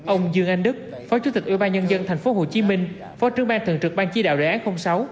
ông dương anh đức phó chủ tịch ủy ban nhân dân tp hcm phó trưởng ban thường trực ban tri đạo đề án sáu